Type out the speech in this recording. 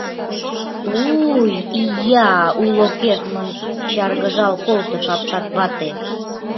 — У-уй, ия! — уло кертмын чаргыжал колтыш апшат вате.